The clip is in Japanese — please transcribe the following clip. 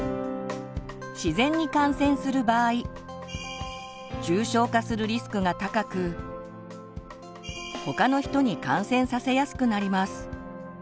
自然に感染する場合重症化するリスクが高く他の人に感染させやすくなります。